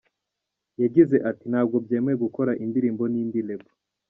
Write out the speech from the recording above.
Yagize ati “Ntabwo byemewe gukorana indirimbo n’indi Label.